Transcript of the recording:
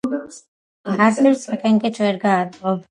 არწივს საკენკით ვერ გააძღობ